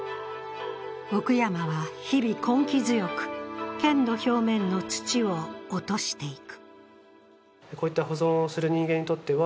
奥山は日々、根気強く、剣の表面の土を落としていく。